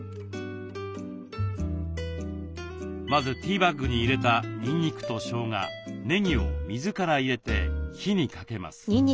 まずティーバッグに入れたにんにくとしょうがねぎを水から入れて火にかけます。